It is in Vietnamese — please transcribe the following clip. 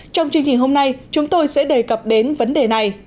trong chương trình hôm nay chúng tôi sẽ đề cập đến vấn đề này